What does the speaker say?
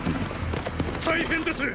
大変です！